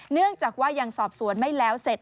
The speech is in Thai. เนื่องจากว่ายังสอบสวนไม่แล้วเสร็จ